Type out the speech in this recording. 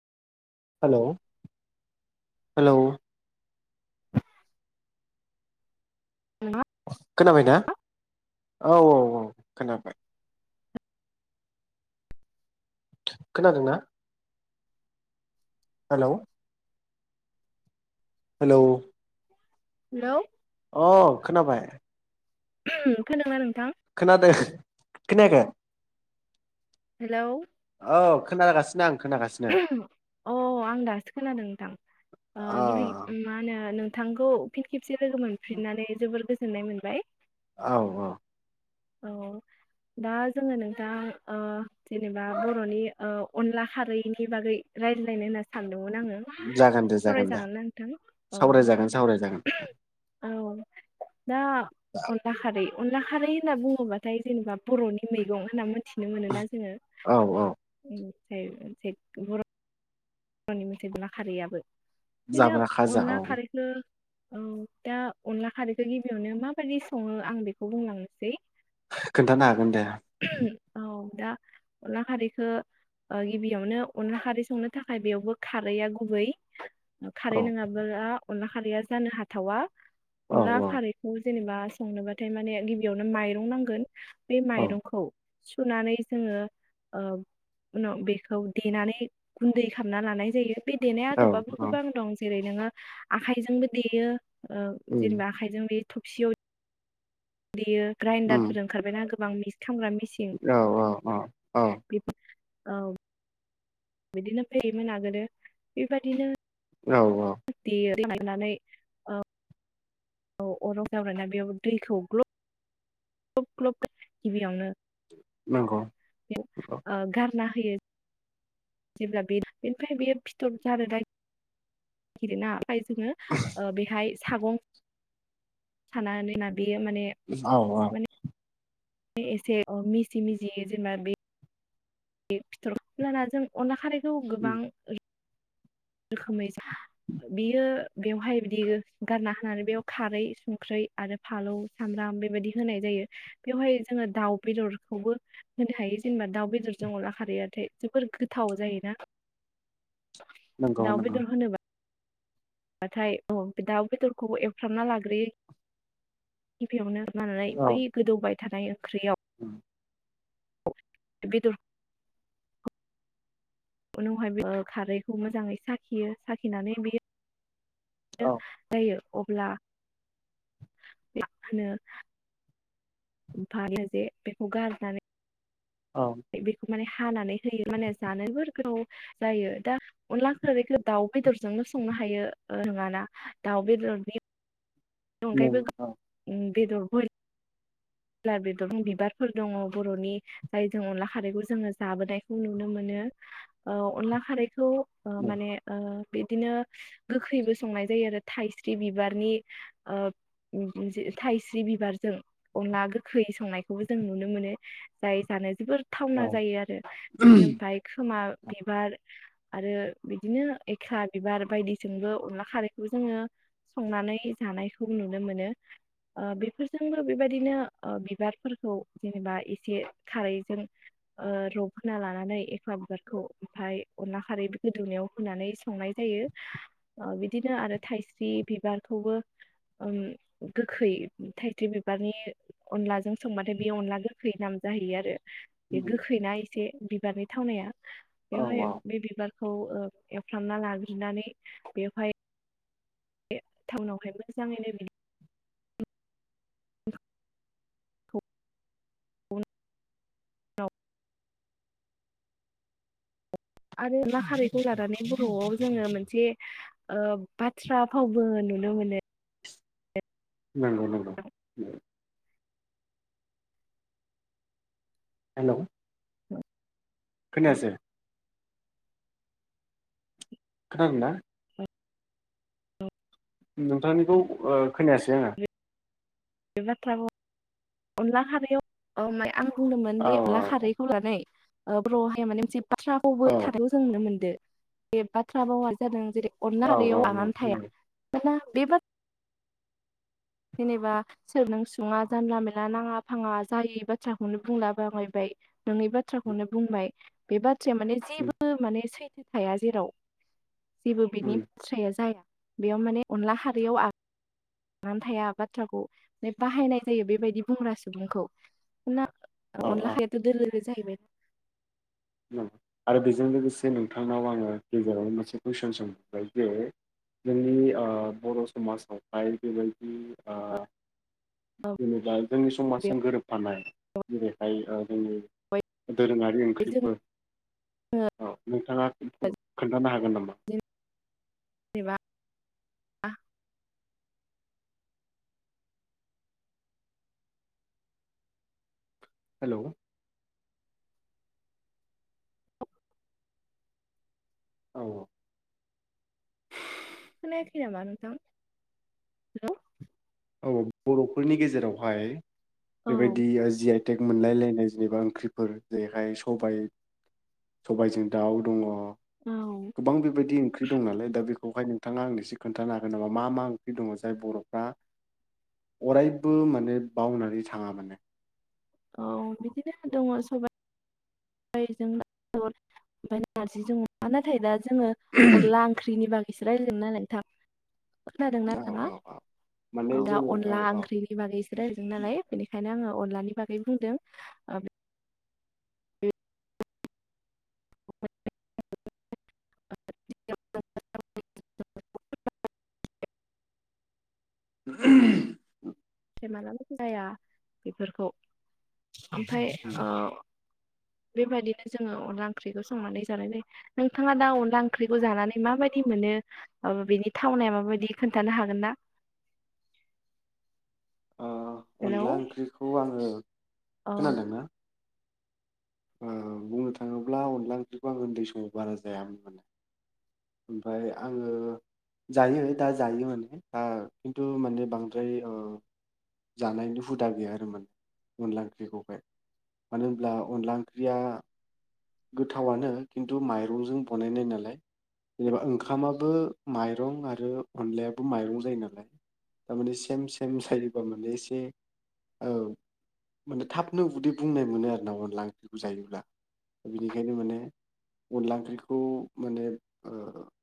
Hello hello hello खोनाबाय ना औ औ औ खोनाबाय खोनादोंना? हेलौ हेलौ हेलौ अ खोनाबाय खोनोंना नोंथां? खोना दो खोनायाखै? हेलौ औ खोना गासिनो आं खोनागासिनो अ आं दासो खोनादों नोंथां ओ अ गिबि मा होनो नों थांगौ फिन खे से लोगो मोनफिननानै जोबोर गोजो गोजोननाय मोनबाय औ औ औ दा जोङो नोंथां ओ जेनेबा बर'नि ओ अनला खारैनि बागै रायज्लायनो होनना सान दोंमोन आङो जागोन दे जागोन दे सावरायजागोन ना नोंथां औ सावरायजागोन सावरायजागोन औ। दा अनला खारै अनला खारै होनना बुङोबाथाय जेनेबा बर'नि मैगं होनना मोन थिनो मोनोना जोङो उ- औ औ [unintelligible] बर' बर'नि [unintelligible] खारैयाबो बिदिनो जाब्रा खाजा औ अनला खारैखौ औ दा अनला खारैखौ गिबियावनो माबायदि सङो आं बेखौ बुंलांनोसै खोनथानो हागोन दे। औ दा अनला खारैखौ ओ गिबियावनो अनला खारै संनो थाख खाय बेयावबो खारैआ गुबै खारै औ नोङाबा अनला खारैया जानो हाथावा औ अनला खारैखौ जेनेबा संनोबाथाय माने गिबियावनो माइरं नांगोन। बे औ माइरंखौ सुनानै जोङो ओ उनाव बेखौ देनानै गुनदै खालामना लानाय जायो बे देनाय औ आदबाबो औ गोबां दं जेरै नोङो आखाइजोंबो देयो ओ उम जेनेबा आखाइजों बे थबसियाव देयो उम ग्राइन्दडारफोर ओंरबायना गो बां मि औ औ औ औ बेफोर औ बिदिनो फैयोमोन आगोलो बेबायदिनो औ औ होननानै ओ औ अराव जावरायना बेयाव दैखौ ग्ल' ग्लब ग्लब गिबियावनो नंगौ ओ औ गार ला होयो जेब्ला बे बेनिफ्राय बेयो फिथर जानो गिरो ना जोङो बेहाय सागं सानानै होनानै बियो माने औ माने [unintelligible] बे फिथरखौ लाना जों अनला खारै खौ गोबां रोखोमै बियो बेवहाय बिदि गारना होनानै बेयाव खारै संख्रै आरो फालौ सामब्राम बेबायदि होनाय जायो बेवहाय जोङो दाउ बेदरखौबो होनो हायो जेनेबा दाउ बेदरजों अनला खारैयाथाय जोबोर गोथाव जायोना नंगौ दाउ नंगौ बेदर होनोबा हाथाय औ दाउ बेदरखौबो एवफ्रामना लाग्रोयो गिबियावनो मानानै बै गोदौबाय थानाय ओंख्रिया औ बिदुर उनावहाय ओ खारैखौ मोजाङै साखियो साखिनानै बियो औ [unintelligible] अब्ला [unintelligible] [unintelligible] औ बेखौ माने खानानै [unintelligible] जायो दा अनला खारैखो दाउ बेदरजोंनो संनो हायो ओ नोङाना दाउ बेदरनि नों अनगायैबो औ [unintelligible] [unintelligible] [unintelligible] बिबारफोर दङ बर'नि जायजों अनला खारैखौ जोङो जाबोनायखौ नुनो मोनो ओ अनला खारैखौ ओ नों माने ओ बिदिनो गोखैबो संनाय जायो आरो थाइस्रि बिबारनि ओ [unintelligible] थाइस्रि बिबारजों अनला गोखै संनायखौबो जों नुनो मोनो जाय जानो जोबोर औ थावना जायो आरो बिदि ओमफ्राय खोमा बिबार आरो बिदिनो एख्ला बिबार बायदिजोंबो अनला खारैखौबो जोङो संनानै जानायखौ नुनो मोनो ओ बेफोरजोंबो बेबायदि बिदिनो बिबारफोरखौ जेनेबा एसे खारैजों ओ रब होना लानानै एख्ला बिबारखौ ओमफाय अनला खारै गोदौनायाव होनानै संनाय जायो ओ बिदिनो आरो थाइस्रि बिबारखौबो ओ गोखै थाइस्रि बि बिबारनि अनलाजों संबाथाय बेयो अनला गोखैयै नाम जाहैयो आरो बे गोखैना एसे बिबारनि थावनाया औ बेवहाय औ बे बिबार खौ ओ एवफ्रामना लाग्रोनानै बेवहाय बे टाउनावहाय मोजाङैनो बि [unintelligible] [unintelligible] आरो अनला खारैखौ लानानै बर'आव जोङो मोनसे ओ बाथ्रा फावबो नुनो मोनो नंगौ नंगौ हेलौ खोनायासै खोनादोंना? नोंथांनिखौ ओ खोनायासै आङो बे बाथ्रा फाव अनला खारियाव [unintelligible] आं बुंदोंमोन औ बे अनला खारैखौ लानानै ओ बर'यावहाय माने मोनसे बाथ्राफावबो औ थानायखौ जों नुनो मोनदो बे बाथ्रा फावा जादों जेरै औ अनला औ खारियाव नंगौ आगान थाया खोनादों मानोना बे बा जेनेबा सोर नों सुङा जानला मानला नाङा फाङा जायै बाथ्राखौनो बुंला बाङायबाय नोङै बाथ्राखौनो बुंबाय बे बा थ्राया माने जेबो माने सै थाया जेराव जेबो बिनि बाथ्राया जाया बेयाव माने अनला खारियाव आ गान थाया बाथ्राखौ माने बाहायनाय जायो बेबायदि बुंग्रा सुबुंखौ मानोना औ अनला खारियावथ' दोलो जाहैबाय आरो बेजों लोगोसे नोंथांनाव आङो गेजेराव मोनसे कुइसन सोंहरबाय जे जोंनि ओ बर' समाजावहाय बेबायदि ओ जेनेबा जोंनि समाजजों गोरोबफानाय जेरैहाय ओ जोंनि दोरोङारि ओंख्रि जों औ नोंथाङा खोनथानो हागोन नामा [inaudible] हेल' औ खोनायाखै नामा नोंथां हेल' औ बर'फोरनि गेजेरावहाय औ बेबायदि जियाय टेग मोनलायलायनाय जेनेबा ओंख्रिफोर जेरैहाय सबाय सबायजों दाउ दङ औ गोबां बेबायदि ओंख्रि दं नालाय दा बेखौ खौहाय नोंथाङा आंनो एसो खोनन्थानो हागोन नामा मा मा ओंख्रि दङ जाय बर'फ्रा अरायबो माने बावनानै थाङा माने औ बिदिनो दङ सबाय [unintelligible] जोङो अनला ओंख्रिनि बागै इसो [unintelligible] खोनादों ना नोंथाङा औ माने दा जोङो औ अनला औ ओ ओंख्रिनि बागै इसो रायदों नालाय बेनिखायनो आङो अनलानि बागै बुंदों ओ [unintelligible] [inaudible] थे मालाबाबो जाया बेफोरखौ ओमफाय आ बेबायदिनो जोङो अनला ओंख्रिखौ संनानै जानायनाय नोंथाङा दा अनला ओंख्रिखौ जानानै माबायदि मोनो बेनि थावनाया माबायदि खोन्थानो हागोन ना ओ हेलौ अनला ओंख्रिखौ आङो औ खोनादोंना ओ बुंनो थाङोब्ला अनला ओंख्रिखौ आं उन्दै समाव बारा जायामोन माने ओमफाय आङो जायो दा जायो माने ओ खिन्थु माने बांद्राय ओ जानायनि हुदा गैया आरो माने अनला ओंख्रिखौहाय मानो होनब्ला अनला ओं ख्रिया गोथावानो खिन्थु माइरंजों बनायनाय नालाय जेनेबा ओंखामाबो माइरं आरो अनलायाबो माइरं जायो नालाय थारमाने सेम सेम जायोबा माने एसे औ माने थाबनो उदै बुंनाय मोनो आरो ना अनला ओंख्रि खौ जायोब्ला बिनिखायनो माने अनला ओंख्रिखौ माने ओ